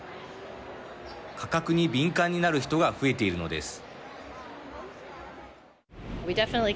価格に敏感になる人が増えているのです。